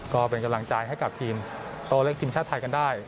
ก็เป็นกำลังใจให้กับทีมโตเล็กทีมชาติไทยกันได้